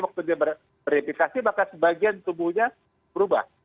waktu dia berindikasi bahkan sebagian tubuhnya berubah